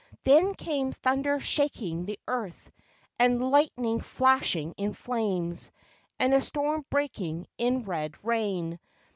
Then came thunder shaking the earth, and lightning flashing in flames, and a storm breaking in red rain.